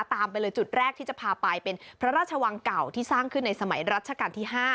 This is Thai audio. ตามไปเลยจุดแรกที่จะพาไปเป็นพระราชวังเก่าที่สร้างขึ้นในสมัยรัชกาลที่๕